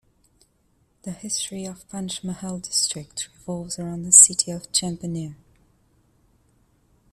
The history of Panchmahals district revolves around the city of Champaner.